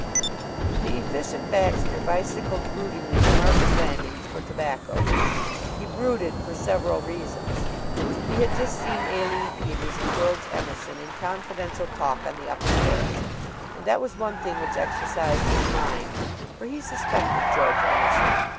The Efficient Baxter bicycled broodingly to Market Blandings for tobacco. He brooded for several reasons. He had just seen Aline Peters and George Emerson in confidential talk on the upper terrace, and that was one thing which exercised his mind, for he suspected George Emerson.